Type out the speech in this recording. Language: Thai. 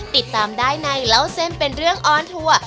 ติดตามได้ในเล่าเส้นเป็นเรื่องออนทัวร์